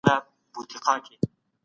ټولنه هم یوازې مسلکي کسان غواړي.